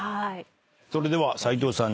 それでは斎藤さん